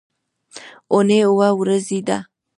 اونۍ اووه ورځې ده